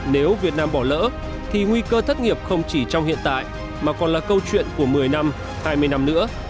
nếu việt nam bỏ lỡ thì nguy cơ thất nghiệp không chỉ trong hiện tại mà còn là câu chuyện của một mươi năm hai mươi năm nữa